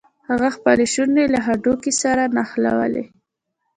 هغه خپلې شونډې له هډوکي سره نښلوي.